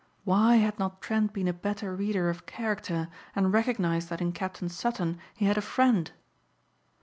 Why had not Trent been a better reader of character and recognized that in Captain Sutton he had a friend?